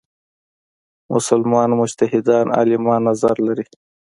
مسلمان مجتهدان عالمان نظر لري.